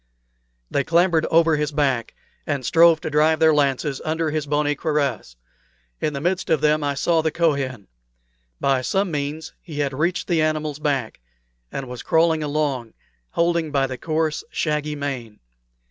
They clambered over his back, and strove to drive their lances under his bony cuirass. In the midst of them I saw the Kohen. By some means he had reached the animal's back, and was crawling along, holding by the coarse shaggy mane.